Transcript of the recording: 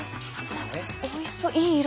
おいしそういい色。